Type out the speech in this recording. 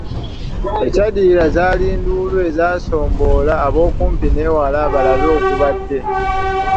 Ekyaddirira zaali nduulu ezaasomboola ab'okumpi n'ewala balabe ogubadde.